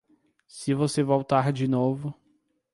Se você voltar de novo